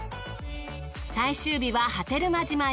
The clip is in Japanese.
最終日は波照間島へ。